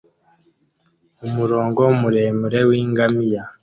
Umurongo muremure w'ingamiya